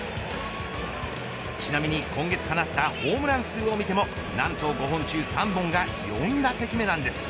ちなみに今月放ったホームラン数を見ても何と５本中３本が４打席目なんです。